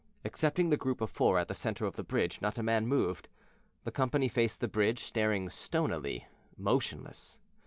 Excepting the group of four at the centre of the bridge, not a man moved. The company faced the bridge, staring stonily, motionless.